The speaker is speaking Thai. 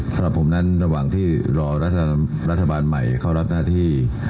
สำหรับผมนั้นระหว่างที่รอรัฐบาลใหม่เข้ารับหน้าที่